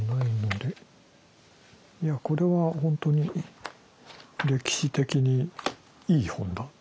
いやこれは本当に歴史的にいい本だ。